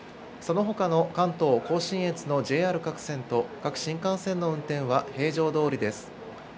そのほかの関東甲信越のＪＲ各線と各新幹線の運転は平常どおりです。